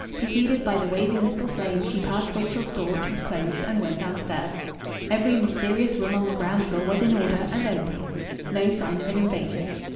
Preceded by the waving little flame, she passed Rachel's door, which was closed, and went downstairs. Every mysterious room on the ground floor was in order and empty. No sign of an invasion.